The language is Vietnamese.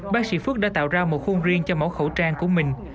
bác sĩ phước đã tạo ra một khuôn riêng cho mẫu khẩu trang của mình